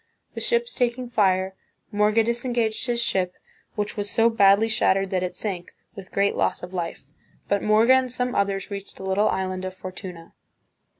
The ships taking fire, Morga disengaged his ship, which was so badly shattered that it sank, with great loss of life; but Morga and some others reached the little island of Fortuna.